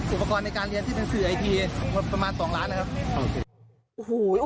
อุปกรณ์ในการเรียนที่เป็นสื่อไอทีประมาณ๒ล้านนะครับ